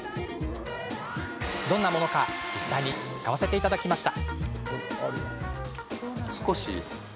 どんなものか実際に使わせていただきました。